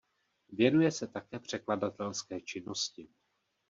Věnuje se také překladatelské činnosti.